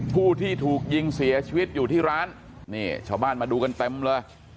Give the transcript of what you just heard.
ผู้ที่ถูกยิงเสียชีวิตอยู่ที่ร้านนี่ชาวบ้านมาดูกันเต็มเลย